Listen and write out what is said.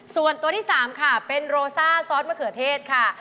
ส่วนตัวที่๓ค่ะเป็นโรซ่าซอสมะเขือเทศค่ะ